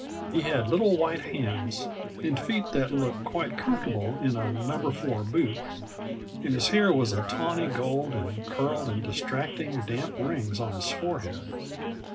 He had little white hands, and feet that looked quite comfortable in a number four boot, and his hair was a tawny gold and curled in distracting, damp rings on his forehead.